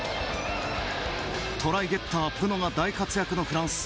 トライゲッター、プノが大活躍のフランス。